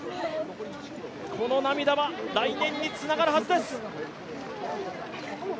この涙は来年につながるはずです。